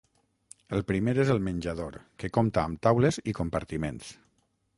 El primer és el menjador, que compta amb taules i compartiments.